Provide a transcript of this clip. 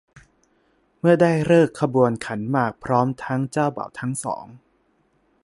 เมื่อได้ฤกษ์ขบวนขันหมากพร้อมทั้งเจ้าบ่าวทั้งสอง